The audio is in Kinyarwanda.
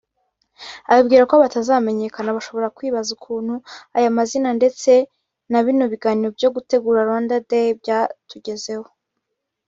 Abibwira ko batazamanyekana bashobora kwibaza ukuntu aya mazina ndetse na bino biganiro byo gutegura Rwanda Day byatugezeho